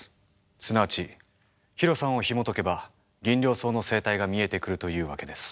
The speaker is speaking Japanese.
すなわちヒロさんをひもとけばギンリョウソウの生態が見えてくるというわけです。